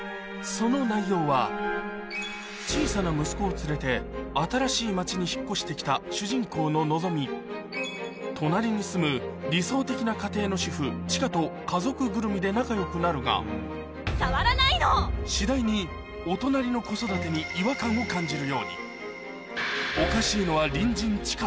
その内容は小さな息子を連れて新しい町に引っ越してきた主人公の希隣に住む理想的な家庭の主婦千夏と家族ぐるみで仲良くなるが次第にお隣の子育てに違和感を感じるように「おかしいのは隣人千夏？」